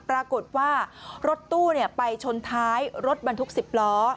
ปรากฏว่ารถตู้ไปชนท้ายรถบรรทุก๑๐ล้อ